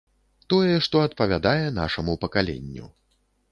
Тое, што адпавядае нашаму пакаленню.